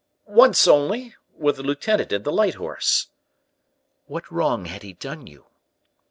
"Once only, with a lieutenant in the light horse." "What wrong had he done you?"